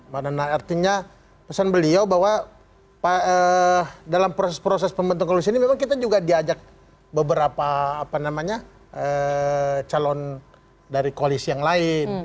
artinya pesan beliau bahwa dalam proses proses pembentuk koalisi ini memang kita juga diajak beberapa calon dari koalisi yang lain